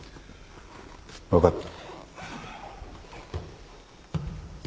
分かった。